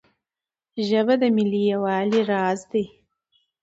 ژبه د ملي یووالي راز دی.